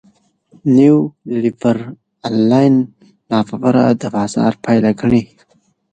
نیولېبرالان نابرابري د بازار پایله ګڼي.